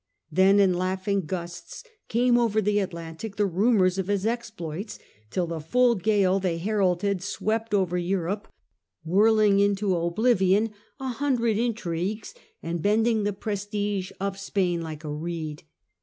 Then in laughing gusts came over the Atlantic the rumours of his exploits, till the full gale they heralded swept over Europe, whirling into oblivion a hundred intrigues and bending the prestige of Spain like a reed.